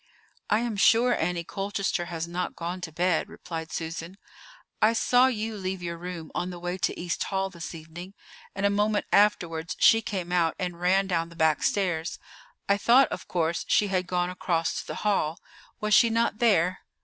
"I am sure Annie Colchester has not gone to bed," replied Susan. "I saw you leave your room on the way to East Hall this evening, and a moment afterwards she came out and ran down the back stairs. I thought, of course, she had gone across to the hall. Was she not there?"